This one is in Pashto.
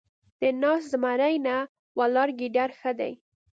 ـ د ناست زمري نه ، ولاړ ګيدړ ښه دی.